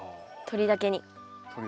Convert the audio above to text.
鳥だけに。